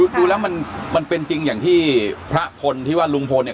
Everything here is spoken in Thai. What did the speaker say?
ดูแล้วมันเป็นจริงอย่างที่พระพลที่ว่าลุงพลเนี่ย